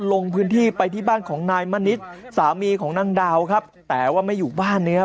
ลงพื้นที่ไปที่บ้านของนายมณิษฐ์สามีของนางดาวครับแต่ว่าไม่อยู่บ้านนะครับ